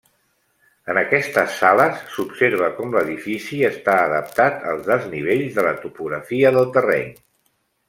En aquestes sales s'observa com l'edifici està adaptat als desnivells de la topografia del terreny.